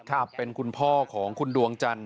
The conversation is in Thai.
ถ้าเป็นคุณพ่อของคุณดวงจันทร์